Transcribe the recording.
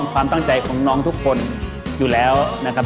ความตั้งใจของน้องทุกคนอยู่แล้วนะครับ